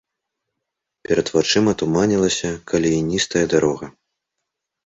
Перад вачыма туманілася каляіністая дарога.